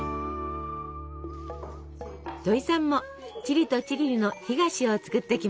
どいさんもチリとチリリの干菓子を作ってきました。